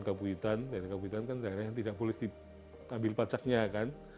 kabuyutan kan daerah yang tidak boleh diambil pacaknya kan